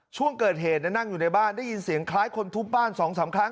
ช่วงเกิดเหตุนั่งอยู่ในบ้านได้ยินเสียงคล้ายคนทุบบ้าน๒๓ครั้ง